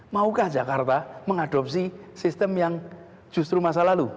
maukah jakarta mengadopsi sistem yang justru masa lalu